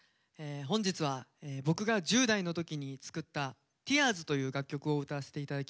本日は僕が１０代の時に作った「Ｔｅａｒｓ」という楽曲を歌わせて頂きます。